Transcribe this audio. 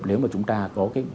nếu mà chúng ta có cái